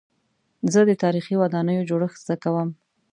زه د تاریخي ودانیو جوړښت زده کوم.